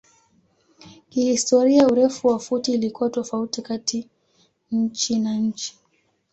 Kihistoria urefu wa futi ilikuwa tofauti kati nchi na nchi.